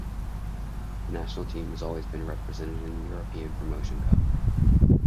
The national team has always represented in the European Promotion Cup.